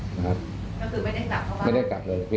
ก็คือไม่ได้กลับเข้าบ้าน